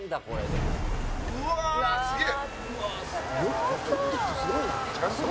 うわーすげえ！